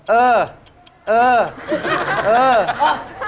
เออเออเออ